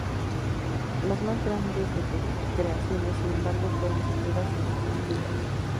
Las más grandes de sus creaciones, sin embargo, fueron, sin duda, sus lilas.